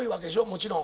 もちろん。